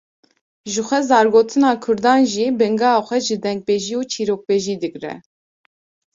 Ji xwe zargotina Kurdan jî bingeha xwe ji dengbêjî û çîrokbêjî digre